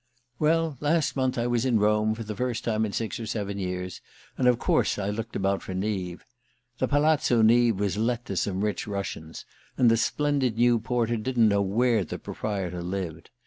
Well, last month I was in Rome, for the first time in six or seven years, and of course I looked about for Neave. The Palazzo Neave was let to some rich Russians, and the splendid new porter didn't know where the proprietor lived.